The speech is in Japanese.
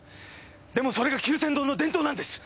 でもそれが久泉堂の伝統なんです！